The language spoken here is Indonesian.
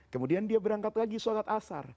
kemudian dia berangkat lagi sholat asar